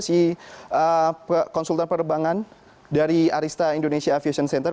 si konsultan penerbangan dari arista indonesia aviation center